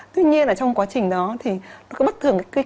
tuy nhiên là trong quá trình đó thì nó cứ bất thường cái